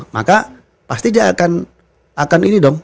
maka pasti dia akan ini dong